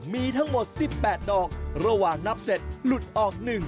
มีทั้งหมด๑๘ดอกระหว่างนับเสร็จหลุดออก๑